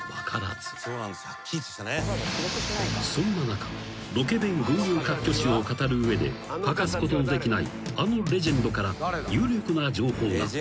［そんな中ロケ弁群雄割拠史を語る上で欠かすことのできないあのレジェンドから有力な情報が。